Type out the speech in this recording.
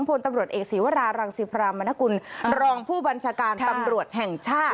พลตำรวจเอกศีวรารังศิพรามนกุลรองผู้บัญชาการตำรวจแห่งชาติ